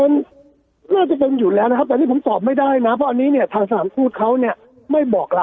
มันน่าจะเป็นอยู่แล้วนะครับแต่นี่ผมตอบไม่ได้นะเพราะอันนี้เนี่ยทางสถานทูตเขาเนี่ยไม่บอกเรา